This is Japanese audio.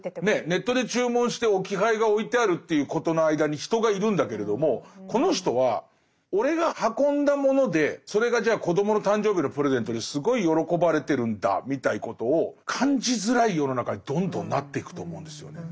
ネットで注文して置き配が置いてあるということの間に人がいるんだけれどもこの人は俺が運んだものでそれがじゃあ子どもの誕生日のプレゼントですごい喜ばれてるんだみたいなことを感じづらい世の中にどんどんなっていくと思うんですよね。